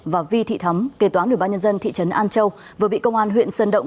và vi thị thắm kế toán ủy ban nhân dân thị trấn an châu vừa bị công an huyện sơn động